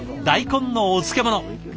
大根のお漬物。